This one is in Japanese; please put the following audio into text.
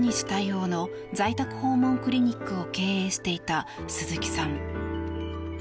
対応の在宅訪問クリニックを経営していた鈴木さん。